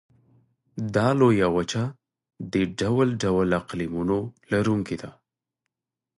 دا لویه وچه د ډول ډول اقلیمونو لرونکې ده.